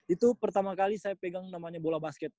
itu pertama kali saya pegang namanya bola basket